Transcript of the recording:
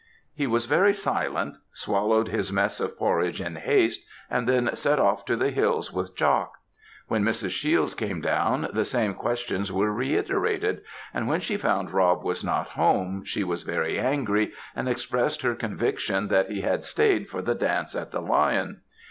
He was very silent; swallowed his mess of porridge in haste, and then set off to the hills with Jock. When Mrs. Shiels came down, the same questions were reiterated; and when she found Rob was not come, she was very angry, and expressed her conviction that he had staid for the dance at the Lion.